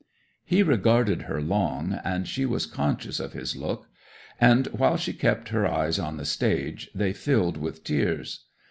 'He regarded her long, and she was conscious of his look; and while she kept her eyes on the stage they filled with tears.